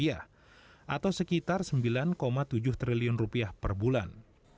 atau sekitar rp sembilan tujuh triliun per bulan